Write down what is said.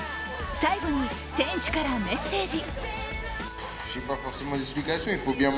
最後に選手からメッセージ。